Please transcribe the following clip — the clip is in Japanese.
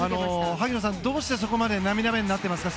萩野さんどうしてそこまで涙目になってますか？